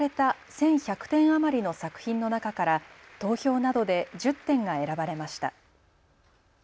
１１００点余りの作品の中から投票などで１０点が選ばれました。